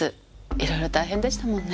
いろいろ大変でしたものね。